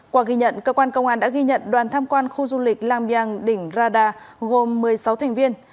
qua ghi nhận cơ quan công an đã ghi nhận đoàn tham quan khu du lịch lam biang đỉnh rada gồm một mươi sáu thành viên